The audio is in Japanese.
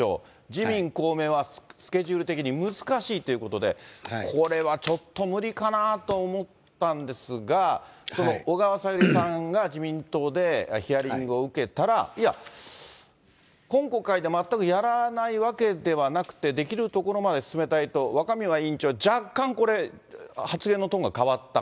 自民、公明はスケジュール的に難しいということで、これはちょっと無理かなと思ったんですが、小川さゆりさんが自民党でヒアリングを受けたら、いや、今国会で全くやらないわけではなくて、できるところまで進めたいと、若宮委員長は若干これ、発言のトーンが変わった。